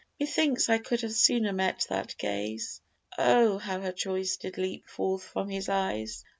Methinks I could have sooner met that gaze! Oh, how her choice did leap forth from his eyes!